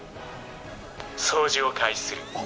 「掃除を開始する。